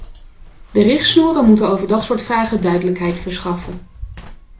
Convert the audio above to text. De richtsnoeren moeten over dat soort vragen duidelijkheid verschaffen.